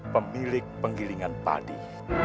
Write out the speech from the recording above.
pemilik penggilingan padi